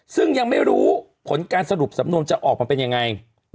ซึ่งยังไม่รู้ผลการสรุปสำนวนจะออกมาเป็นยังไง